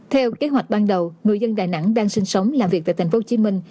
theo kế hoạch ban đầu người dân đà nẵng đang sinh sống làm việc tại thành phố hồ chí minh